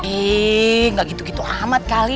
heee gak gitu gitu amat kali